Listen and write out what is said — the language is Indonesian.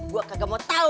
gue gak mau tahu